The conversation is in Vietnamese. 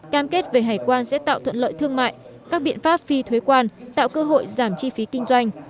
cam kết về hải quan sẽ tạo thuận lợi thương mại các biện pháp phi thuế quan tạo cơ hội giảm chi phí kinh doanh